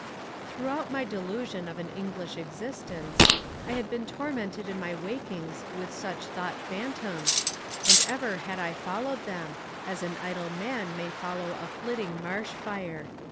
"'Throughout my delusion of an English existence, I had been tormented in my wakings with such thought phantoms, and ever had I followed them, as an idle man may follow a flitting marsh fire.